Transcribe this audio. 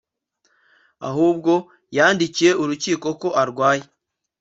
ahubwo yandikiye urukiko ko arwaye